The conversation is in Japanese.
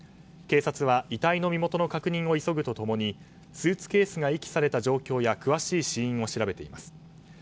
警察は遺体の身元の確認を急ぐと共にスーツケースが遺棄された状況や詳しい死因を調べています。